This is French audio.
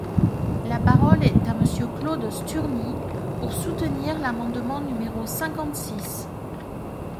La parole est à Monsieur Claude Sturni, pour soutenir l’amendement numéro cinquante-six.